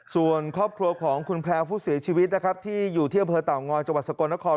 ส่วนครอบครัวของคุณแพลวผู้เสียชีวิตนะครับที่อยู่ที่อำเภอเต่างอยจังหวัดสกลนคร